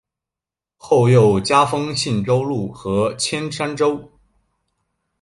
后又加封信州路和铅山州。